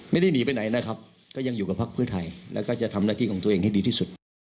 ไม่ได้หนีไปไหนนะครับก็ยังอยู่กับพักเพื่อไทยแล้วก็จะทำหน้าที่ของตัวเองให้ดีที่สุด